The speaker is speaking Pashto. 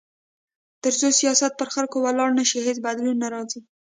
تر څو سیاست پر خلکو ولاړ نه شي، هیڅ بدلون نه راځي.